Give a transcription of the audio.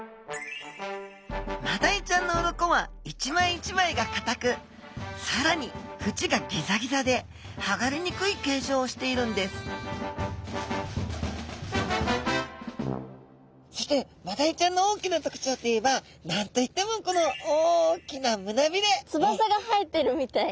マダイちゃんの鱗は一枚一枚がかたくさらにフチがギザギザではがれにくい形状をしているんですそしてマダイちゃんの大きな特徴といえば何と言ってもこの大きなつばさが生えてるみたい。